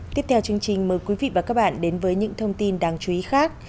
tiếp theo chương trình mời quý vị và các bạn đến với những thông tin đáng chú ý khác